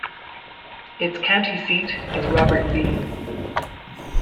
Its county seat is Robert Lee.